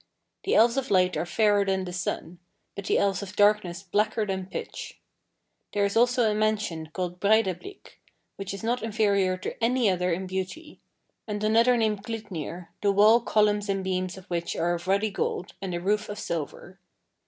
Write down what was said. The Elves of Light are fairer than the sun, but the Elves of Darkness blacker than pitch. There is also a mansion called Breidablik, which is not inferior to any other in beauty; and another named Glitnir, the wall, columns and beams of which are of ruddy gold, and the roof of silver.